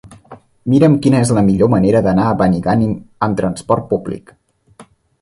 Mira'm quina és la millor manera d'anar a Benigànim amb transport públic.